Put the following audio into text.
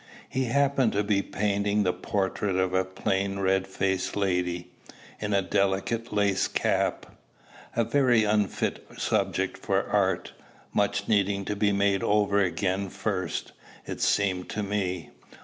"He happened to be painting the portrait of a plain red faced lady, in a delicate lace cap, a very unfit subject for art, much needing to be made over again first, it seemed to me.